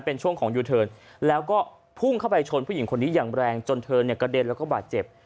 เป็นช่วงของยูเทิร์นแล้วก็พุ่งเข้าไปชนผู้หญิงคนนี้อย่างแรงจนเธอเนี่ยกระเด็นแล้วก็บาดเจ็บ